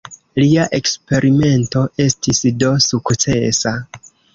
Lia eksperimento estis do sukcesa.